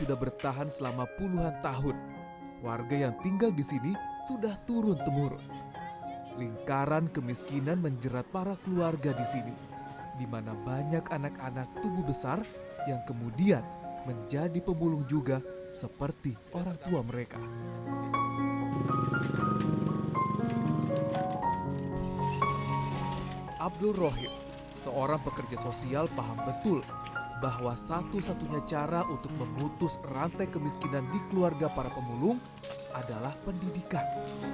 abdul rohim seorang pekerja sosial paham betul bahwa satu satunya cara untuk memutus rantai kemiskinan di keluarga para pemulung adalah pendidikan